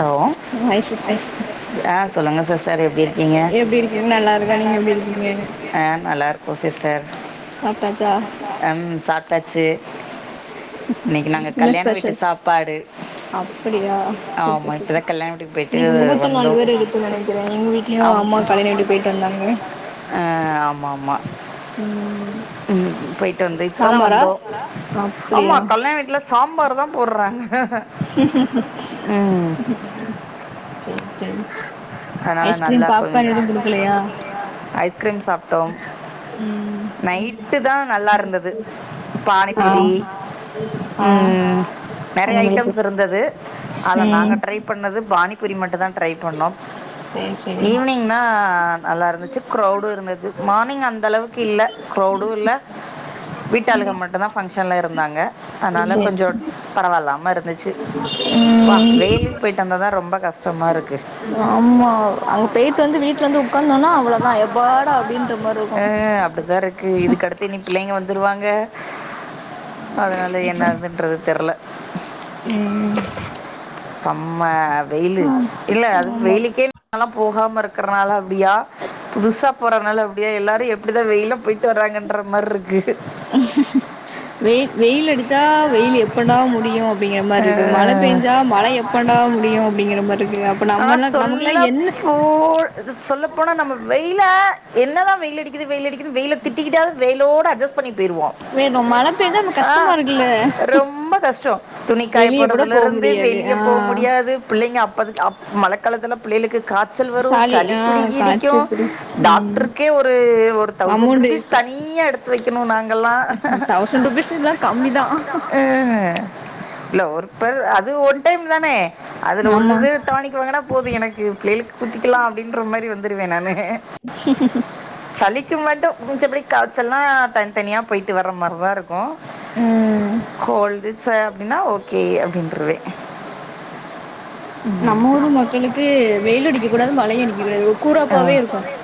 hello hi sister ஆ சொல்லுங்க sister எப்டி இருக்கீங்க எப்டி இருக்கீங்க நல்லா இருக்கே நீங்க எப்டி இருக்கீங்க ஆ நல்லாருக் கோ சிஸ் சாப்ட்டாச்சா டாச்சு இன்னக்கி நாங்க கல்யாண வீட்டு சாப்பாடு அப்டியா சூப்பர் ஆமாம் இப்போ தான் சூப்பர் கல்யாண வீட்டுக்கு போயிட்டு இன்னக்கி முகூர்த்த நால் வந்தோம் வேற இருக்குன் நெனக்கிறே எங்க வீட்லயு ஆம் அம்மா கல்யாண வீட்டு போய்ட்டு வந்தாங்க ஆ, ஆமாம் ஆமாம் ம் ம் போயிட்டு வந்து இப்பதா சாம்பாரா வந்தோ ஆமா அப்படியா கல்யாண வீட்ல சாம்பார் தா போட்றாங்க செரி செரி அதனால நல்லா கொ ஐஸ்கிரீம் சாப்பிட்டோம் ம் நைட்டு தான் நல்லா இருந்தது ஆ பானிபூரி ஆ உம்ஹ் நெறைய அந்த மாரி ஐட்டம் இருந்தது அதுல நாங்க ம் ட்ரை பண்ணது பானிபரி மட்டுதா ட்ரை சேரி ஈவினிங்னா நல்லா இருந்துச்சு கரௌடு இருந்தச்சு மார்னிங் அந்த அளவுக்கு இல்ல கரௌடும் இல்ல வீட்டாளுங்க மட்டுதா ஃபங்க்ஷன்ல இருந்தாங்க அதனால சேரி கொஞ்சோ சேரி பரவாயில்லாம இருந்துச்சு ஆப்பா ம் வெயிலுக்கு போயிட்டு வந்த தா ரொம்ப கஷ்டமா கஷ்டமா இருக்கு ஒ அங்க போயிட்டு வந்து வீட்டுல வந்து உட்கார்ந்தோம்னா அவ்வளதா ஏப்பாட அப்டின்ற மாரி இருக்கு அப்படி தான் இருக்கு இதுக்கடுத்து இனி பிள்ளைங்க வந்துருவாங்க அதனால என்னன்றது தெரியல உம் செம்ம வெயிலு இல்ல அது ஆமா வெயிலுக்கே நால்லா போகாமா இருக்கறதால அப்டியா புதுசா போறனால அப்டி மாதிரி இருக்கு வெயில் வெயில் அடிச்சா வெயில் எப்படா முடியும் அப்படிங்கிற மாரி இருக்கு மழ பெஞ்சா மழ எப்படா முடியு அப்டிங்கிற மாரி இருக்கு அப்ப ஆனா நம்மல்லா நமக்குல்லா சொல்ல என்ன போ சொல்ல போனா நம்ம வெயில என்னதான் வெயில் அடிக்குது வெயில் அடிக்குது வெயில திட்டிக்கிட்டாலு வெயிலோடு அட்ஜஸ்ட் பண்ணி போயிருவோம் வேணு மழ பெஞ்சா நம்ம ஆ கஷ்டமா இருக்குல்ல ரொம்ப கஷ்டம் துணிகாயப் வெளிய கூட போ போற்றதிலிருந்து முடியாது வெளிய ஆ போ முடியாது புள்ளைங்க அப்பதிக்கு அப் மழ காலத்தில புள்ளையளுக்கு காய்ச்சல் வரும் சாலி சளி ஆ பிடி காச்சு கிடுக்கும் புடி ம் டாக்டருக்கே ஒரு ஒரு தௌசண்ட் ருபீஸ் தனியா எடுத்து வைக்கணும் நாங்க தௌசண் ருபீஸ் இதெல்லா கம்மிதான் இல்ல ஒர்க் பல் அது இது ஒன் டைம் தானே அதுல ஆமா ஒரு பாணிக் வாங்கன்னா போதும் எனக்கு பிள்ளையளுக்கு குடுத்துக்கலாம் அப்படின்ற மாதிரி வந்துருவேன் நானு சளிக்கு மட்டும் மிச்சப்படி காய்ச்சல்னா தனித்தனியா போயிட்டு வர்றமாரிதா இருக்கும் உம் கோல்டுச்ச அப்படின்னா ஓகே அப்படின்ருவே நம்ம ஊர் மக்களுக்கு வெயிலடிக்க கூடாது மழையும் அடிக்க கூடாது கூறப்பாவே இருக்கணும்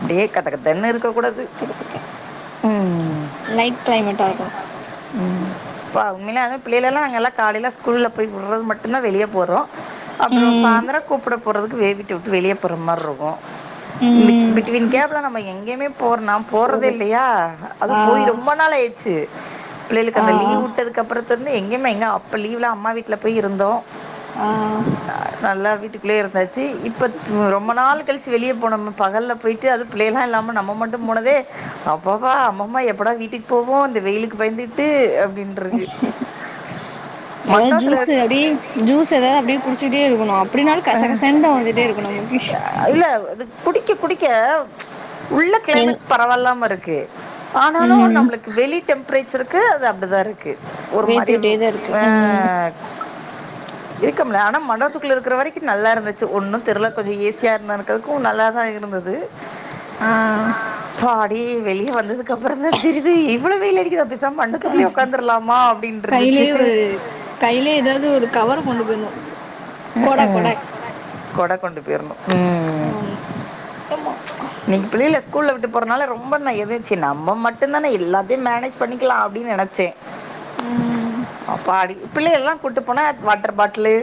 அப்டியே கதகதன் இருக்கு கூடது உம் லைட் கிளைமேட்டா இருக்கணு உம் பாவம் இனிமேல் அத பிள்ளைல்லா அங்கெல்லா காலை ஸ்கூல் போய் விற்றது மட்டு்தான் வெளிய போறோம் அப்பறோ ம் சாந்திரம் கூப்பிட போ றக்கு வீட்ட விட்டு வெளிய போற மார ருக்கு உம் [unintelligible] கயுமே போற நா போறதே ஒரு இல்லையா அது ஆ போய் ரொம்ப நாள் ஆயிடுச்சு பிள்ளையளுக்கு ஆ ஆ அந்த லீவு உட்டதுக்கப்பற இருந்து எங்கமே எங்க அப்ப லீவ் லா அம்மா வீட்ல போய் இருந்தோம் ஆ நல்லா வீட்டுக்கு உள்ளேயே இருந்தாச்சு இப்ப த் ரொம்ப நாள் கழிச்சு வெளியே போனோம் பகல்ல போயிட்டு அது பிள்ளைகல்லா இல்லாம நம்ம மட்டும் போனதே அப்பப்பா அம்மம்மா எப்படா வீட்டுக்கு போவோம் இந்த வெயிலுக்கு பயந்துட்டு ஏதாது மண்டபத்தில் ஜூஸ் எ அடி ஜூஸ் ஏதாது அப்டியே குடிச்சிகிட்டே இருக்கணு அப்படின்னாலு கசகசன் தா வந்துட்டே இருக்கு நமக்கு இல்லை அது குடிக்க குடிக்க க உள்ள என் கிளைமேட் பரவால்லாம இருக் கு ஆனாலு ம் நம்மளுக்கு வெளி டெம் ப்ரேச்சருக்கு அது அப்டிதா இரு க்கு ஒரு மாரி வேத்துக்கிட்டே தா இருக்கு அ ம் எ ருக்கும்ல ஆனா மண்டபத்துக்குள்ள இருக்குற வரைக்கு நல்லா இருந்துச்சு ஒன்னுந் தெர்ல கொஞ்ச ஏ சி யா இருந்ததுக்கெதுக்கு நல்லா தா இருந்தது ஆஹ் வெளியே வந்ததுக்குப்புறந் தா தெரிது இவ்ள வெயில் அடிக்குதா பேசா க இருந்துச்சு கையிலயே ஒரு கையிலயே ஏதாவது ஒரு கவர கொண்டு போயர்ணு கொட கொட அஹ் கொடை கொண்டு போயிர்னு ம் ஆமா நீங்க பிள்ளைகள ஸ்கூல்ல விட்டு போரனால ரொம்ப ந எதச்சு நம்ம மட்டுந்தான எல்லாத்தையு மேனேஜ் பண்ணிக்கலா அப்படின்னு நெனைச்சே ம் அப்பாடி பிள்ளைக எல்லா கூட்டு போனா வாட்டர் பாட்டிலு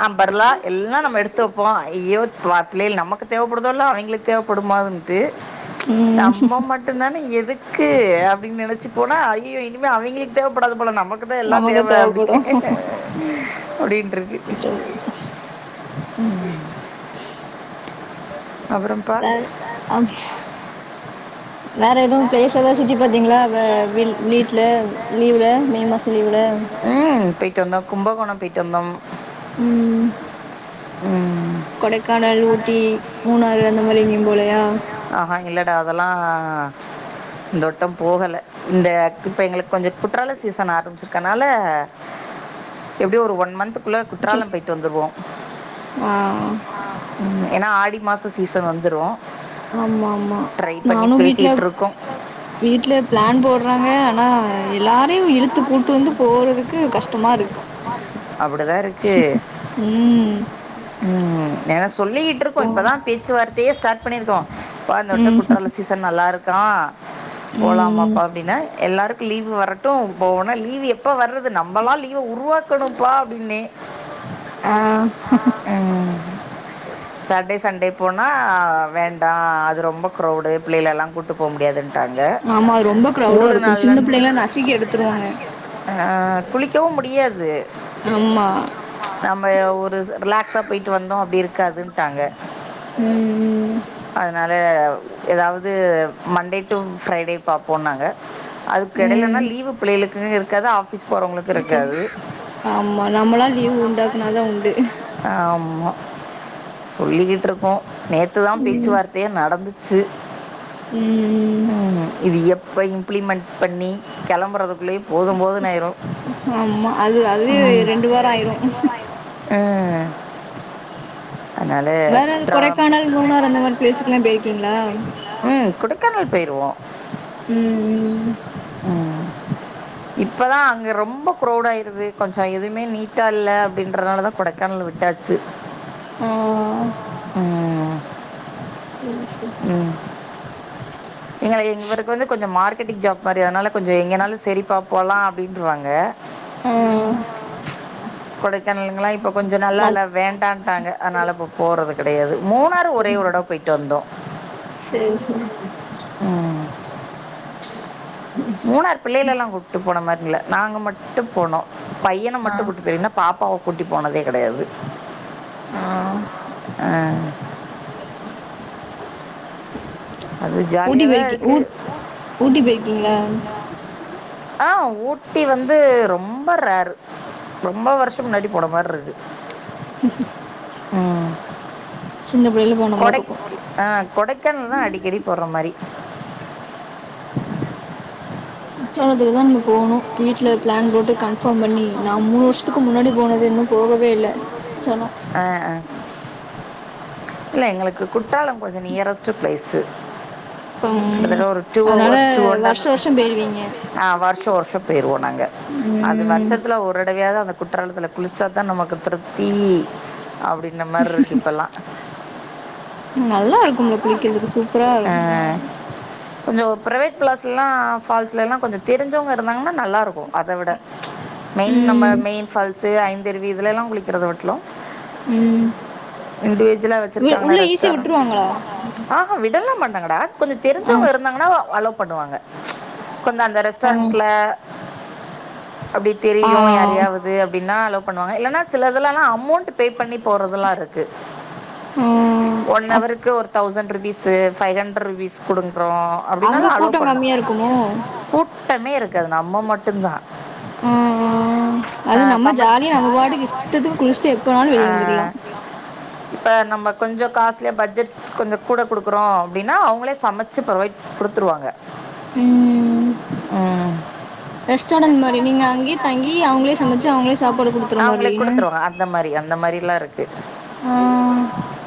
ஆஹ் பர்லா எல்லா நம்ம எடுத்து வெப்போம் ஐயோ [unintelligible] நமக்குத் தேவ ப்படுதோல்ல அவங்களுக்கு தேவைப்படுமாதுன்ட்டு ம் நம்ம மட்டுந்தானே எதுக்கு அப்படின்னு நெனச் சு போனா ஐயயோ இனிமே அவிங்களுக்கு தேவைப்படாது போல நம் நமக்கு தேவைப்படு அப்படின்ட்டு இருக்கு அப்புறம்ப்பா அ வேற எதும் ப்ளேஸ் எதா சுத்தி பாத்தீங்ளா வீ வீட்ல லீவுல மே மாசொ லீவுல கும்பகோண பேய்ட்டு வந்தோ ம் ம் கொடைக்கானல் ஊட்டி மூணாறு அந்த மாரி போலயா ஆஹா இல்லடா அதெல்லா இந்தோட்ட போகல இந்த இப்ப எங்ளுக்கு கொஞ்சோ குற்றால சீசன் ஆரம்பிச்ருக்கனால எப்டி ஒரு ஒன் மந்த் ள்ள குற்றாலம் பேட்டு வந்துருவோ ஆ ஏனா ஆடி மாச சீசன் வந்துரு ஆமா ஆமா நானு வீட்ல இருக்கோம் வீட்ல பிளான் போட்றாங்க ஆனா எல்லாரையு இழுத்து கூட்டு ட்டு வந்து போறதுக்கு கஷ்டமாருக்கு அப்டிதாருக்கு ம் ம் ஏனா சொல்லிக் போ [unintelligible] இப்பதா பேச்சுவார்த்தையே ஸ்டார்ட் பண்ணிருக்கோ ப்பா இந்த வாட்ட ம் ம் குற்றால சீசன் நல்ல நல்லாருக்க ம் போலாமாப்பா அப்டினா எல்லாருக்கு லீவு வரட்ட டு போன லீவு எப்ப வர்து நம்மலா லீவ உருவாக் ப்பா அப்டின்னே ஆ ம் சாட்டே சண்டே போனா வேண்டா அது ரொம்ப க்ரௌடு பிள்ளைகளலா கூட்டு போ முடியாதுன் டாங்க ஆமா ரொம்ப கிரௌடா ஊடு இருக்கு சின்ன நல்லன்னு பிள்ளைங்கள நசுக்கி எடுத்துருவாங்க ஆ ஆ குளிக்கவு முடியாது ஆமா நம்ம ஒரு ரிலாக்ஸா போயிட்டு வந்தோ அப்டி இருக்காதுன்ட்டாங்க ம் அதனால ஏதாவது மண்டே டு ஃப்ரைடே பாப்போன் ங்க அதுக்கெடைலன்னா ம் லீவு பிள்ளைகளுக்கு இருக் [unintelligible] ஸ் போறவங்களுக்குருக்காது இருக்காது ஆமா நம்லா லீவு உண்டாக்குனாதா உண்டு ஆமா சொல்லிக்கிட்ருக்கோ நேத்துதா ம் பேச்சுவார்த்தையே நடந்துச் ச்சு ம் ம் இது இப்பயு இம்ளிமண்ட் பண்ணி கெலம்புறதுக் குள்ளயு போது போதுனு ஆயிரு அதுவே ரெண்டு வாரோ ஆயிரு ம் அதனால வேறது குற்றாலம் கொடைக்கானல் மூணார் அந்த மாதிரி பிளேஸுக்குலா போயிருக்கீங்களா ம் கொடைக்கானல் போயிடுவோம் உம் இப்பதா அங்க ரொம்ப க்ரௌட யிருக் இருது கொஞ்ச எதுவுமே நீட்டா இல்ல அப்படின்றதுனாலதா கொடைக்கானல விட்டாச்சு அ அ அ அ உம் ஏங்க இவருக்கு வந்து கொஞ்சோ மார்க் பெண்டிங்ஜாப் மாரி அதனால கொஞ்சோ எங்கனாலு சரிப்பா போலா அப்படின்றுவாங்க ஏ ஆ கொடைக்கானலுங்களா இப்ப கொஞ்சோ நல்லா இல்ல மத் வேண்டான் இருக்காங்க அதனால இப்போ போறது கிடையாது மூணாறு ஒரே ஒரு தட போய்ட்டு வந்தோ சேரி சேரி உம் மூணறு பிள்ளைகள எல்லாம் கூப்பிட்டு போன மாரி இல்லை நாங்கள் மட்டும் போனோம் பையனை ஆ மட்டும் கூட்டு போன பாப்ப பாப்பாவகூட்டி போனதே கிடையாது ஆஹ் ஆ, அது ஜாலியாதான் இருக்கு ஊட் ஊட்டி போயிருக்கீங்களா ஆஹ் ஊட்டி வந்து ரொம்ப ரரு ரொம்ப வருஷம் முன்னாடி போன மாரி இருக்கு சின்ன பிள்ளைல போன மாரி கொடைக்க இருக்கு ஆஹ் கொடைக்கனால் தான் அடிக்கடி போடுற மாதிரி உச்சோணத்துக்கு தான் நம்ம போகணும் வீட்டுல பிளான் போட்டு கன்ஃபார்ம் பண்ணி நான் மூணு வருஷத்துக்கு முன்னாடி போனது இன்னும் போகவே இல் [unintelligible] இல் எங்களுக்கு குட்டாளம் கொஞ்சம் நியரஸ்ட்ட் பிளேஸு ம் கிட்டத்தட்ட ஒரு டூ அதனால ஆஹார்ஸ் வருஷ வருஷோ போயிருவீங்க வருஷம் வருஷம் போயிருவோம் நாங்க அது ம் வருஷத்துல ஒருடவையா அந்த குற்றாலத்துல குளிச்சாதா நமக்கு திருப்தி அப்படின்ற மாரி இருக்கு இப்பல்லாம் நல்லா இருக்கும்ல குளிக்கிறதுக்கு சூப்பரா இருக்கும் கொஞ்சம் ப்ரைவேட் ப்ளஸ்லாம் ஃபால்ஸ்லெலாம் கொஞ்சம் தெரிஞ்சவங்க இருந்தாங்கன்னா நல்லாருக்கும் அத விட மெயின் நம்ம ம் மெயின் ஃபால்ஸ் ஐந்தருவி இதுல எல்லாம் குளிக்கறத வட்டிலும் ம் இன்டிவிஜுவலா வச்சிருக்காங்களா உள்ள ஈஸியா ரெஸ்டரண்ட் விட்டுருவாங்களா ஆஹா விடலாம் டாங்கடா கொஞ்சம் ஆ தெரிஞ்சவங்க இருந்தாங்கன்னா அலோ பண்ணுவாங்க கொஞ்ச அந்த ஆ ரெஸ்டாரன்ட்ல அப்டி ஆ தெரியும் யாராவது அப்டின்னா அலோ பண்ணுவாங்க இல்லன்னா சிலதுலல்லாம் அமௌண்ட் பே பண்ணி போறதலாம் இருக்கு ஆ ஒன் அப் ஹவருக்கு ஒரு thousand rupees five hundred rupees கொடுங்க அங்க கூட்டம் கம்மியா இருக்குமோ கூட்டமே இருக்காது நம்ம மட்டும்தான் ம் ம் அது நம்ம சம ஜாலியா நம்ம பாட்டுக்கு இஷ்டத்துக்கு குளிச்சட்டு எப்பனாலும் வெளியே வந்துக்கலாம் இப்ப நம்ம கொஞ்சோ காஸ்லியா பட்ஜெட்ஸ் கொஞ்சம் கூட கொடுக்குறோம் அப்டின்னா அவங்களே சமைச்சு ப்ரொவைட் கொடுத்துருவாங்க ம் ம் ரெஸ்டாரண்ட் மாரி நீங்க அங்கேயே தங்கி அவங்களே சமைச்சு அவங்களே சாப்பாடு குடுத்துற அவங்களே மாரின குடுத்துருவாங்க அந்த மாரி அந்த மாரில்லாம் இருக்கு ஆ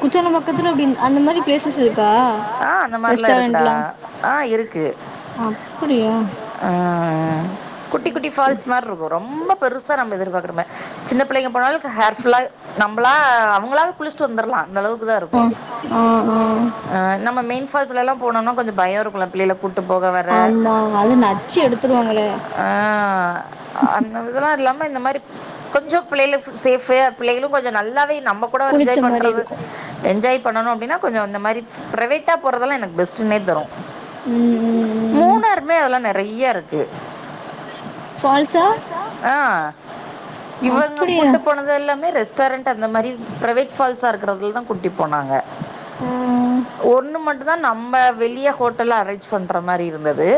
குற்றாலம் பக்கத்துல அப்டி அந்த மாரி பிளேசஸ் இருக்கா ஆ அந்த மாரில்லா இருக்குடா ரெஸ்டாரண்ட்லா ஆ இருக்கு அப்டியா ஆ குட்டி குட்டி ஃபால்ஸ் மாரி இருக்கும் ரொம்ப பெருசா நம்ம எதிர்பாக்க சின்ன புள்ளைங்க போனாலு ஹேர் ஃபுல்லா நம்ளா அவங்களால குளிச்சிட்டு வந்தர்லா அந்த அளவுக்கு தா இருக்கு ஆ ஆ ஆ நம்ம மெயின் ஃபால்ஸ்லல்லாம் போனோன்னா கொஞ்சம் பயம் இருக்குல்ல பிள்ளைகள கூட்டு போக வர ஆமா அது நச்சு எடுத்துருவாங்களே ஆ அந்த இதுலாம் இல்லாம இந்த மாரி கொஞ்சொ பிள்ளைகளுக்கு சேஃப் பிள்ளைகளும் கொஞ்சொ நல்லாவே நம்ம குளிச்ச என்ஜாய் மாரி பண்றது இருக்கு என்ஜாய் பண்ணணும் அப்டின்னா கொஞ்ச அந்த மாரி பிரைவேட்டா போறதெல்லா எனக்கு பெஸ் ட்டுனே தோனு ம் ம் ம் மூணாருமே அதெல்லாம் நெ ட்ரையா இருக்கு ஃபால்ஸா ஆ இவங்க அப்டியா கூட்டு போனது எல்லாமே ரெஸ் கரண்ட் அந்த மாரி பிரவேட் ஃபால்ஸா இருக்கிறதுல தா கூட்டி போனாங்க ஆ ஒன்னு மட்டும் தா நம்ம வெளிய ஹோட்டல் அரேஞ்ச் பண்ற மாரி இருந்தது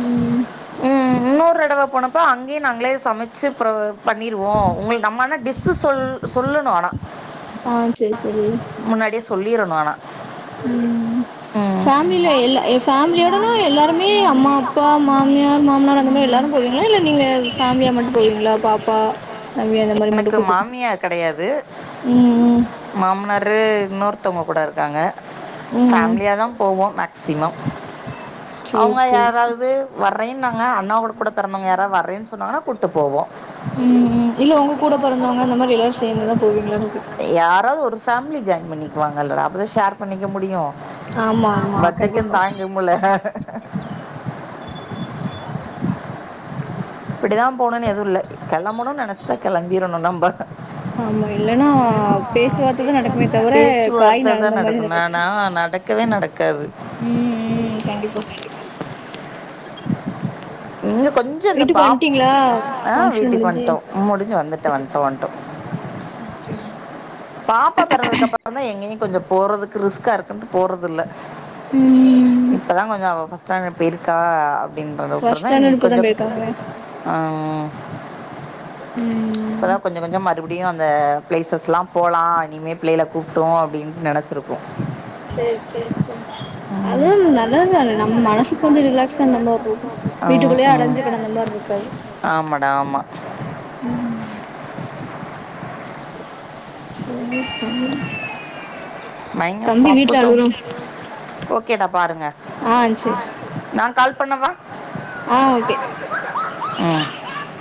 ம் ம் இன்னொ ரடவ போனப் ப அங்கயே நாங்ளே சமச் சு புறவு பண்ணிருவோ உங்களுக்கு நம்ம ஆனா டிஸ்ஸூ சொல் சொல்லணு ஆனா ஆஹ் செரி செரி சொல்லிரணு ஆனா உம் பேமிலில எல்லா ஃபேமிலியோடனா எல்லாருமே அம்மா அப்பா மாமியார் மாமனார் அந்த மாறி எல்லாரும் போவீங்களா இல்ல நீங்க ஃபேமிலியா மட்டும் போவீங்ளா பாப்பா தம்பி அந்த மாறி மட்டும் எனக்கு கூட்டு போ உம்உம் மாமனாரு இன்னொருத்தவங்க கூட இருக்காங்க ம் ஃபேமிலியாதான் போவோம் மேக்சிமம் சேரி அவுங்க சேரி சேரி யாராவது வர்றேன்னாங்க அண்ணா கூட கூட பொறந்தவங்க யாராவது வர்றேன்னு சொன்னங்கன்னா கூட்டு போவோம் உம் உம் இல்ல உங்க கூட பெறந்தவங்க அந்த மாரி எல்லாரும் சேர்ந்துதான் போவீங்களானு கே யாராவது ஒரு ஃபேமிலி ஜாய்ன் பண்ணிக்குவாங்கல்லடா அப்போதான ஷேர் பண்ணிக்க முடியும் ஆமா ஆமா கண்டிப்பா பட்ஜெட்டும் தாங்கும்ல இப்படிதா போணுனு எதுவும் இல்லை கெளம்பனுனு நெனைச்சிட்டா கெளம்பீரணும் நம்ப ஆ பேசுவார்த்த தா நடக்குமே தவிர காய் நகந்த மாரி நடக்கூ க்கவே நடக்காது ம் ம் கண்டிப்பா இங்க கொஞ்சோ இந்த வீட்டுக்கு பா வந்ட்டீங்களா ஆ ஃபங்க்ஷன் வீட்டுக்கு முடிஞ்சு வண்டோ முடிஞ்சு வந்துட்டோ சேரி வண்டோ சேரி வண்டோ சேரி பாப்பா பிறந்ததுக்கு அப்றோ தா எங்கேயு கொஞ்ச போறதுக்கு ரிஸ்கா இருக்குன்ட்டு போறது இல்ல ம் இப்பதா கொஞ்ச அவ [unintelligible] [unintelligible] இருக்கா அப்டின்ற அளவுக்கு ஃபர்ஸ்ட் தா நீ ஸ்டாண்டர்ட் இப்பதா கொஞ்ச போயிருக்காங்களா ஆ ம் இப்போதா கொஞ்சோ கொஞ்சோ ம மறுபடியு அந்த பிளேசஸ் ல போலா இனிமே பிள்ளைகல கூப்டோ அப்டின்னு நனச்சிருப்போ செரி செரி செரி அதுவு நல்ல நாலு நம்ம மனசுக்கு கொஞ்ச ரிலாக் க்ஸ நம்ம ஓ ஓ வீட்டுக்குள்ளேயே ம், அடைஞ்சு கிடந்த மாரி இருக்காது ஆமாடா ஆமாம் ம் சொ பயங்க பாப்பா சவுண்ட் ஓகேடா பாருங்க ஆ செர் நான் கால் பண்ணவா ஆ ஓகே ம்